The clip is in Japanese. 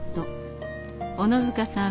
小野塚さん